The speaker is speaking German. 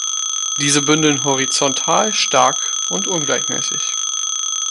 Diese bündeln horizontal stark und ungleichmäßig.